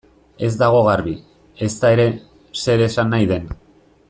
Ez dago garbi, ezta ere, zer esan nahi den.